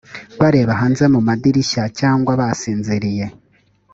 bareba hanze mu madirishya cyangwa basinziriye.